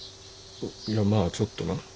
いやまあちょっとな。